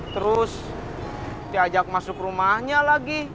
terus diajak masuk rumahnya lagi